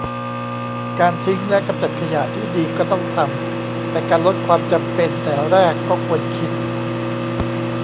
การทิ้งและกำจัดขยะที่ดีก็ต้องทำ แต่การลดความจำเป็นแต่แรกก็ควรคิด